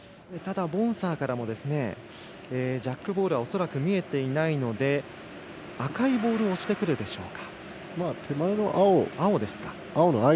ボンサーからもジャックボールは恐らく見えていないので赤いボールを押してくるでしょうか。